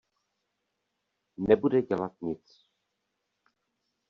Nebude dělat nic.